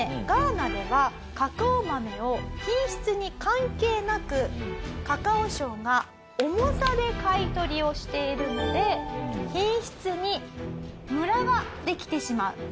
ガーナではカカオ豆を品質に関係なくカカオ省が重さで買い取りをしているので品質にムラができてしまう。